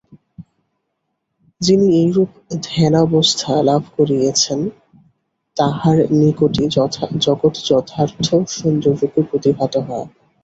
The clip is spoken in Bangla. যিনি এইরূপ ধ্যানাবস্থা লাভ করিয়ছেন, তাঁহার নিকটই জগৎ যথার্থ সুন্দররূপে প্রতিভাত হয়।